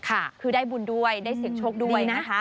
คือได้ภูมิได้บุญด้วยได้เสียงโชคด้วย